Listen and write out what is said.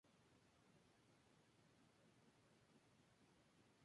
La Cámara de Representantes es la cámara legislativa primaria del Gobierno de Tailandia.